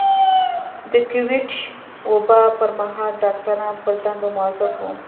د کوويډ وبا پر مهال ډاکټران پر دندو مؤظف وو.